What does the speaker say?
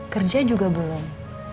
kerja juga belum